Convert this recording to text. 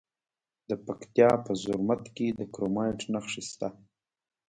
د پکتیا په زرمت کې د کرومایټ نښې شته.